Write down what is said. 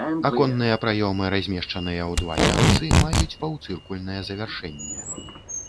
Аконныя праёмы, размешчаныя ў два ярусы, маюць паўцыркульнае завяршэнне.